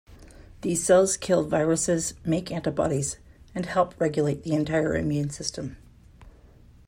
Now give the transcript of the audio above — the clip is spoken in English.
These cells kill viruses, make antibodies, and help regulate the entire immune system.